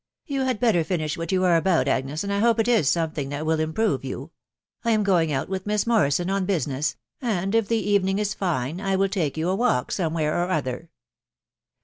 " You had better finish what you are about, Agnes, and I hope it is something that will improve you .... I am going out with Miss Mor $98 THE WIDOW BARNAB7* rison on business .... and if the evening is fine, I wfll tta you a walk somewhere or other."